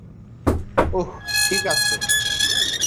উহ, ঠিক আছে।